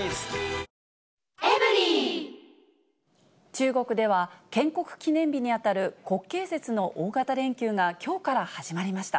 中国では、建国記念日に当たる国慶節の大型連休がきょうから始まりました。